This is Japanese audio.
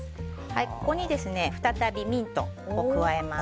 ここに再びミントを加えます。